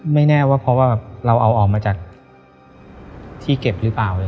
แน่ว่าเพราะว่าเราเอาออกมาจากที่เก็บหรือเปล่า